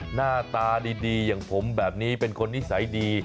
หน้าตาดีอย่างผมแบบนี้เป็นคนนิสัยดี